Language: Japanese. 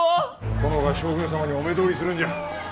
殿が将軍様にお目通りするんじゃ。